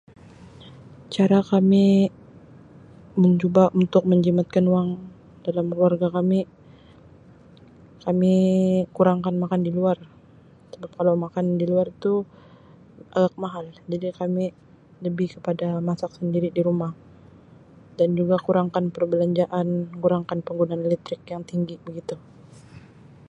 Cara kami mencuba untuk menjimatkan wang dalam keluarga kami, kami kurangkan makan di luar, sebab kalau makan di luar tu Um mahal jadi kami lebih kepada masak sendiri di rumah dan juga kurangkan perbelanjaan penggunaan barangan elektrik yang tinggi, begitu.